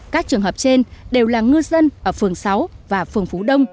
các trường hợp trên đều là ngư dân ở phường sáu và phường phú đông